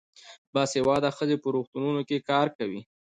باسواده ښځې په روغتونونو کې کار کوي.